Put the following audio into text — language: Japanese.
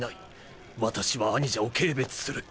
私は兄者を軽蔑する！